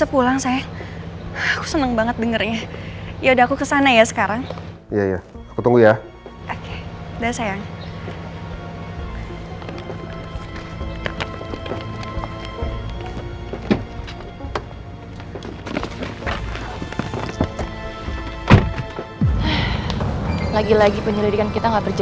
perjalanan lanjut gak